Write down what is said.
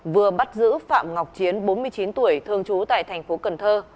vừa bắt giữ phạm ngọc chiến bốn mươi chín tuổi thương chú tại thành phố cần thơ